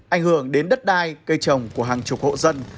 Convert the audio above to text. ảnh hưởng đến đất đai cây trồng của hàng chục hộ dân